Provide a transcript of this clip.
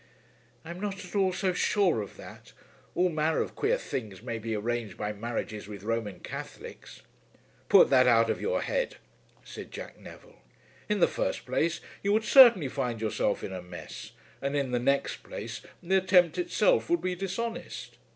"I am not at all so sure of that. All manner of queer things may be arranged by marriages with Roman Catholics." "Put that out of your head," said Jack Neville. "In the first place you would certainly find yourself in a mess, and in the next place the attempt itself would be dishonest.